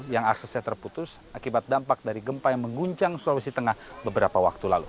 yang aksesnya terputus akibat dampak dari gempa yang mengguncang sulawesi tengah beberapa waktu lalu